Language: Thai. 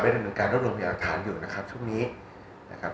ดำเนินการรวบรวมยาหลักฐานอยู่นะครับช่วงนี้นะครับ